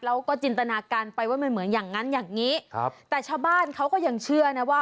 แล้วก็จินตนาการไปว่ามันเหมือนอย่างนั้นอย่างนี้ครับแต่ชาวบ้านเขาก็ยังเชื่อนะว่า